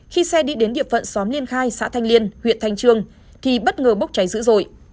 khi xe đi đến địa phận xóm liên khai xã thanh liên huyện thanh trương thì bất ngờ bốc cháy dữ dội